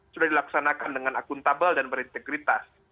sudah dilaksanakan dengan akuntabel dan berintegritas